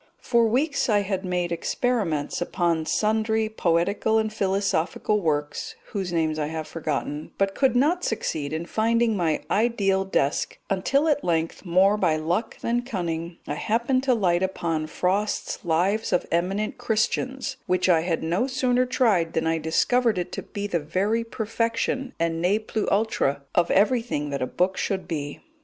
For weeks I made experiments upon sundry poetical and philosophical works, whose names I have forgotten, but could not succeed in finding my ideal desk, until at length, more by luck than cunning, I happened to light upon Frost's Lives of Eminent Christians, which I had no sooner tried than I discovered it to be the very perfection and ne plus ultra of everything that a book should be.